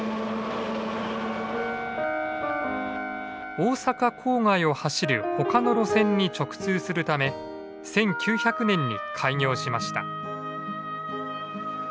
大阪郊外を走る他の路線に直通するため１９００年に開業しました。